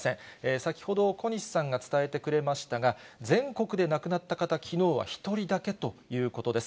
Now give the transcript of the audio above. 先ほど、小西さんが伝えてくれましたが、全国で亡くなった方、きのうは１人だけということです。